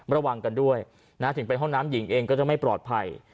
ระวังกันด้วยนะถึงไปห้องน้ำหญิงเองก็จะไม่ปลอดภัย